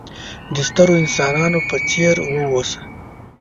د سترو انسانانو په څېر وه اوسه!